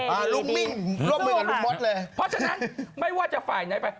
โอเคดีสู้ค่ะพอฉะนั้นไม่ว่าจะฝ่ายไหนไป